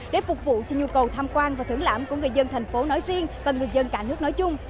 để phục vụ cho nhu cầu tham quan và thưởng lãm của người dân thành phố nói riêng và người dân cả nước nói chung